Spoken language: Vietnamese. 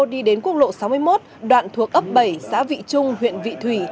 đi đến quốc lộ sáu mươi một đoạn thuộc ấp bảy xã vị trung huyện vị thủy